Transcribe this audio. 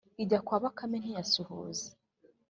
ijya kwa Bakame ntiyasuhuza